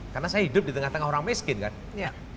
karena saya hidup di tengah tengah orang miskin kan